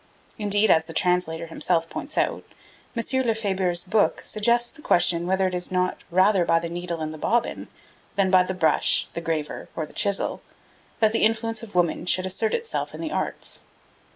Indeed, as the translator himself points out, M. Lefebure's book suggests the question whether it is not rather by the needle and the bobbin, than by the brush, the graver or the chisel, that the influence of woman should assert itself in the arts.